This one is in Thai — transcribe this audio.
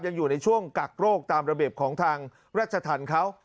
ยังอยู่ในช่วงกักโรคตามระเบียบของทางราชธรรมเขา